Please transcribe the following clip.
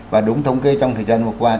và đúng thống kê trong thời gian vừa qua